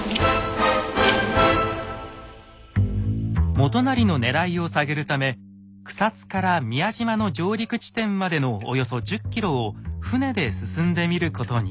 元就のねらいを探るため草津から宮島の上陸地点までのおよそ１０ｋｍを船で進んでみることに。